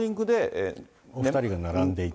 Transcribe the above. お２人が並んでいて。